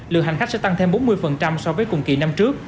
lượng hành khách sẽ tăng thêm bốn mươi so với cùng kỳ năm trước